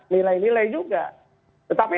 nilai nilai juga tetapi